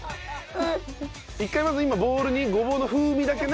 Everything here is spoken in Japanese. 一回まず今ボウルにごぼうの風味だけね